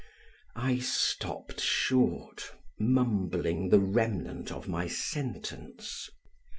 I stopped short, mumbling the remnant of my sentence.